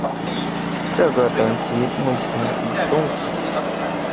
这个等级目前已终止。